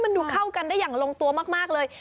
มันดูเข้ากันได้อย่างลงตัวมากเลย